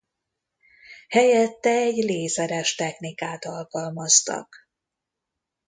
Helyette egy lézeres technikát alkalmaztak.